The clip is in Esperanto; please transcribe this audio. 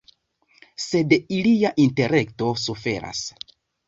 Sed ilia intelekto suferas.